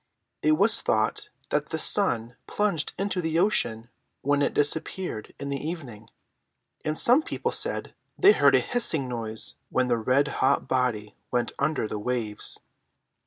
It was thought that the sun plunged into the ocean when it disappeared in the evening, and some people said they heard a hissing noise when the red hot body went under the waves.